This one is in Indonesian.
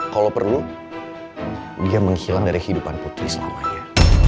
kalau perlu dia menghilang dari kehidupan putri selamanya